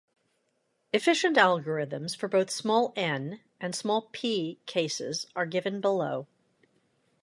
Efficient algorithms for both small "N" and small "P" cases are given below.